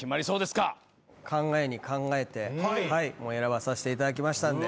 考えに考えて選ばさせていただきましたんで。